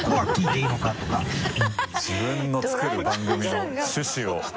自分のつくる番組の趣旨を。